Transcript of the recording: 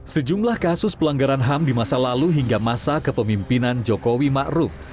sejumlah kasus pelanggaran ham di masa lalu hingga masa kepemimpinan jokowi ma'ruf